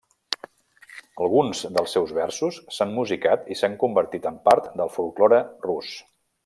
Alguns dels seus versos s'han musicat i s'han convertit en part del folklore rus.